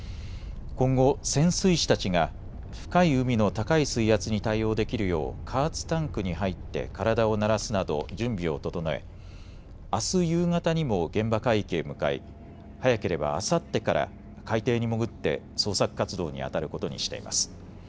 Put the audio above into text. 今後、潜水士たちが深い海の高い水圧に対応できるよう加圧タンクに入って体を慣らすなど準備を整えあす夕方にも現場海域へ向かい早ければあさってから海底に潜って捜索活動にあたることにしています。